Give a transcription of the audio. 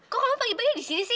kok kamu pagi pagi di sini sih